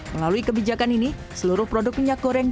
melalui kebijakan ini seluruh produk minyak goreng